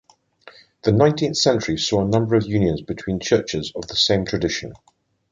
The nineteenth century saw a number of unions between churches of the same tradition.